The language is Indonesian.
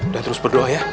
dan terus berdoa ya